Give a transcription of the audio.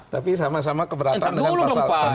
tapi sama sama keberatan dengan pasal satu ratus lima puluh enam